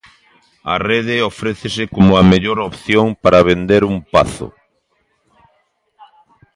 A rede ofrécese como a mellor opción para vender un pazo.